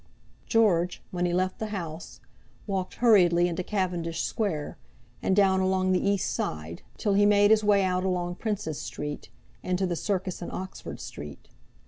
George, when he left the house, walked hurriedly into Cavendish Square, and down along the east side, till he made his way out along Princes Street, into the Circus in Oxford Street.